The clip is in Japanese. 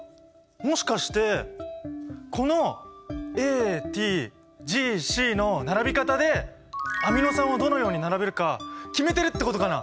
もしかしてこのＡＴＧＣの並び方でアミノ酸をどのように並べるか決めてるってことかな？